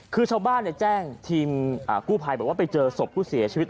คือชาวบ้านแจ้งทีมกู้ภัยบอกว่าไปเจอศพผู้เสียชีวิต